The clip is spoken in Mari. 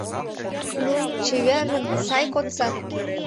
Ну, чеверын, сай кодса!